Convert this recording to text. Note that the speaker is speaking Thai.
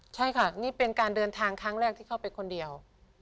ใช่ค่ะนี่เป็นการเดินทางครั้งแรกที่เข้าไปคนเดียว